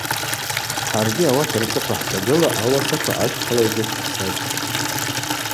Хӏаргьи ауат рцӏыхъва хӏтагыла ауасаква ащхъала йджвыквхӏцатӏ.